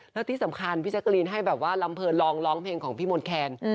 แล้วที่สำคัญพี่แจ๊กรีนให้แบบว่าลำเพลินลองร้องเพลงของพี่มนต์แคน